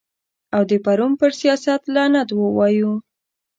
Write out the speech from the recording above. او د پرون پر سیاست لعنت ووایو.